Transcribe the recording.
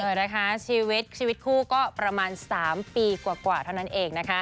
นะคะชีวิตชีวิตคู่ก็ประมาณ๓ปีกว่าเท่านั้นเองนะคะ